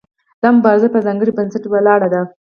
دا مبارزه په ځانګړي بنسټ ولاړه ده.